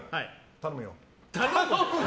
頼むよ？